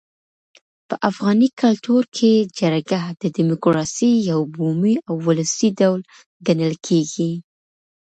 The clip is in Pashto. په افغاني کلتور کي جرګه د ډیموکراسۍ یو بومي او ولسي ډول ګڼل کيږي.